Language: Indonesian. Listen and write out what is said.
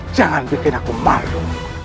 jangan bikin aku malu